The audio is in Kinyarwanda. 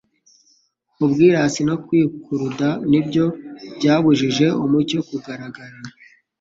Ubwirasi no kwikuruda ni byo byabujije umucyo kugaragara.